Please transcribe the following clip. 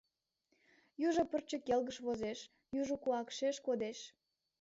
Южо пырче келгыш возеш, южо куакшеш кодеш.